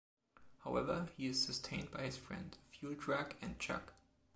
However, he is sustained by his friend, a fuel truck and Chug.